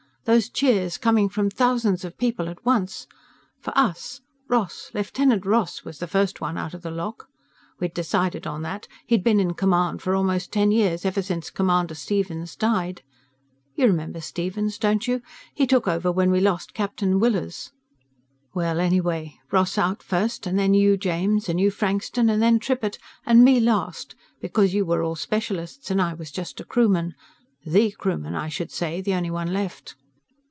Those cheers, coming from thousands of people at once. For us. Ross Lt. Ross was the first one out of the lock. We'd decided on that; he'd been in command for almost ten years, ever since Commander Stevens died. You remember Stevens, don't you? He took over when we lost Captain Willers. Well, anyway, Ross out first, and then you, James, and you, Frankston, and then Trippitt, and me last, because you were all specialists and I was just a crewman. The crewman, I should say, the only one left.